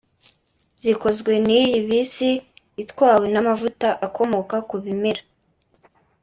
zikozwe n’iyi bisi itwawe n’amavuta akomoka ku bimera